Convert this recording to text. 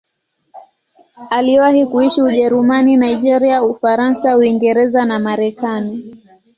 Aliwahi kuishi Ujerumani, Nigeria, Ufaransa, Uingereza na Marekani.